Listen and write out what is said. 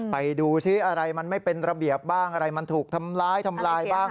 ไปดูซิอะไรมันไม่เป็นระเบียบบ้างอะไรมันถูกทำร้ายทำลายบ้าง